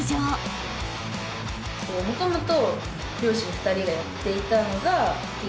もともと。